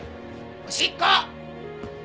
おしっこ！